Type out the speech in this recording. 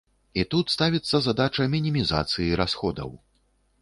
І тут ставіцца задача мінімізацыі расходаў.